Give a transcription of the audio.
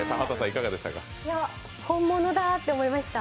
本物だーって思いました。